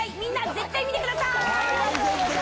ぜひ見てください！